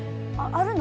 あるの？